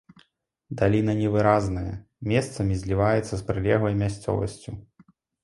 Даліна невыразная, месцамі зліваецца з прылеглай мясцовасцю.